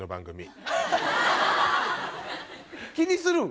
気にするん？